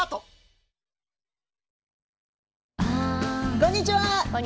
こんにちは。